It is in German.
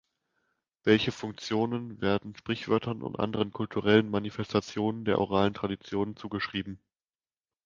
Welche Funktionen werden Sprichwörtern und anderen kulturellen Manifestationen der oralen Tradition zugeschrieben?